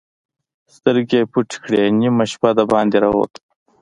سترګې يې پټې کړې، نيمه شپه د باندې را ووت.